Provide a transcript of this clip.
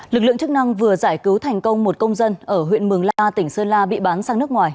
lực lượng chức năng vừa giải cứu thành công một công dân ở huyện mường la tỉnh sơn la bị bán sang nước ngoài